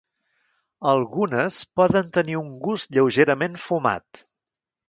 Algunes poden tenir un gust lleugerament fumat.